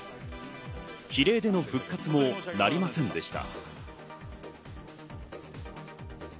比例での復活もなりませんでした。